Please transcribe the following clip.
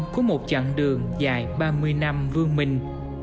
của một chặng đường dài ba mươi năm vương minh